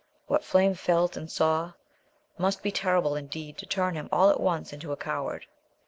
What Flame felt, and saw, must be terrible indeed to turn him all at once into a coward.